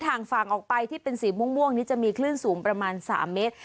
ห่างฝั่งออกไปที่เป็นสีม่วงนี้จะมีคลื่นสูงประมาณ๓เมตร